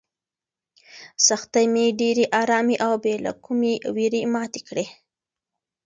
سختۍ مې په ډېرې ارامۍ او بې له کومې وېرې ماتې کړې.